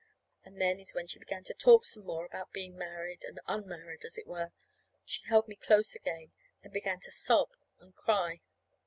And then is when she began to talk some more about being married, and _un_married as we were. She held me close again and began to sob and cry.